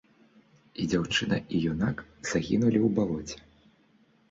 І дзяўчына і юнак загінулі ў балоце.